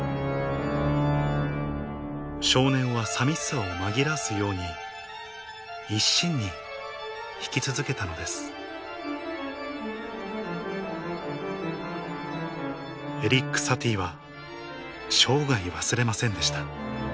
少年は寂しさを紛らわすように一心に弾き続けたのですエリック・サティは生涯忘れませんでした